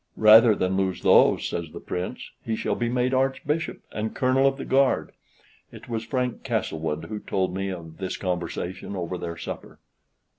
"Rather than lose those," says the Prince, "he shall be made Archbishop and Colonel of the Guard" (it was Frank Castlewood who told me of this conversation over their supper).